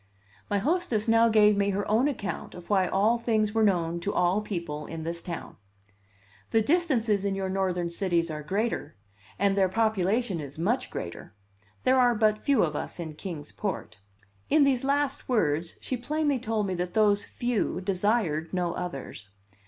My hostess now gave me her own account of why all things were known to all people in this town. "The distances in your Northern cities are greater, and their population is much greater. There are but few of us in Kings Port." In these last words she plainly told me that those "few" desired no others.